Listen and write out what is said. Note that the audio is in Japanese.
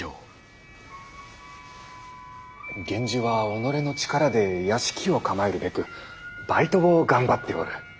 源氏は己の力で屋敷を構えるべくばいとを頑張っておる。